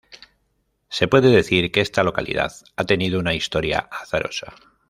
Se puede decir que esta localidad ha tenido una historia azarosa.